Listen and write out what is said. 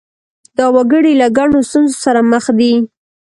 دا وګړي له ګڼو ستونزو سره مخ دي.